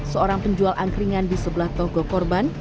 seorang penjual angkringan di sebelah toko korban